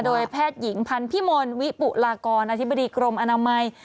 โดยแพทย์หญิงพันธ์พิมลวิปุลากรอธิบดีกรมอนามัย